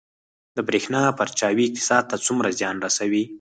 د بریښنا پرچاوي اقتصاد ته څومره زیان رسوي؟